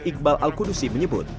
dan jokbal al kudusi menyebut